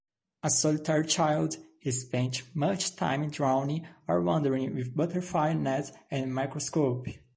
A solitary child, he spent much time drawing or wandering with butterfly-net and microscope.